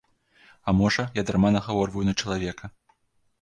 А можа, я дарма нагаворваю на чалавека.